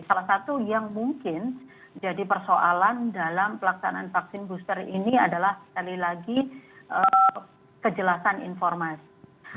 salah satu yang mungkin jadi persoalan dalam pelaksanaan vaksin booster ini adalah sekali lagi kejelasan informasi